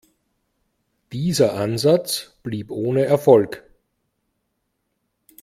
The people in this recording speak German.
Dieser Ansatz blieb ohne Erfolg.